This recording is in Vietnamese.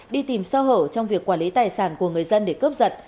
đi tìm sơ hở trong việc quản lý tài sản của người dân để cướp giật